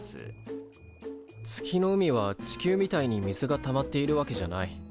月の海は地球みたいに水がたまっているわけじゃない。